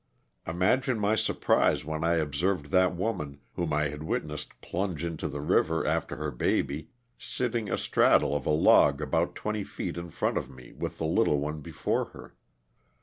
Imagine my surprise when I observed that woman, whom I had witnessed plunge into the river after her baby, sitting a straddle of a log about twenty feet in front of me with the little one before her.